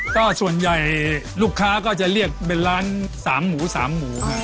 ก็ส่วนใหญ่ลูกค้าก็จะเรียกเป็นร้านสามหมูสามหมู